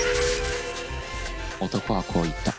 男はこう言った。